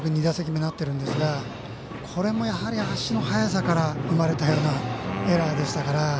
２打席目なってるんですがこれもやはり足の速さから生まれたようなエラーでしたから。